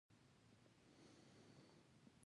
د خطر زنګونو هم په لوړ غږ غږول پیل کړل